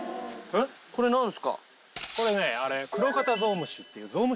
これ何すか？